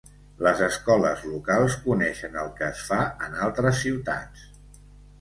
Les escoles locals coneixen el que es fa en altres ciutats.